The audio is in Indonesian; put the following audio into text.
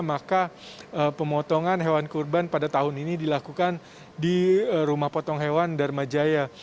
maka pemotongan hewan kurban pada tahun ini dilakukan di rumah potong hewan dharma jaya